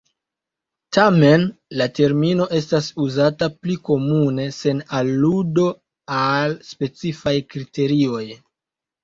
Tamen la termino estas uzata pli komune sen aludo al specifaj kriterioj.